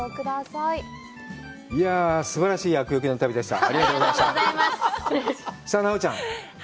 いや、すばらしい厄よけの旅でした。